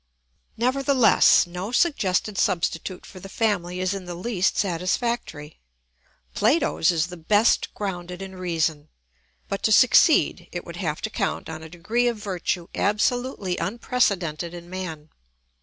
] Nevertheless, no suggested substitute for the family is in the least satisfactory. Plato's is the best grounded in reason; but to succeed it would have to count on a degree of virtue absolutely unprecedented in man.